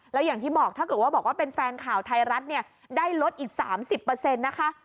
แล้วอย่างที่บอกถ้าเกิดว่าบอกว่าเป็นแฟนข่าวไทยรัฐเนี่ยได้ลดอีก๓๐นะคะ